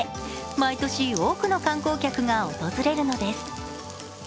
毎年多くの観光客が訪れるのです。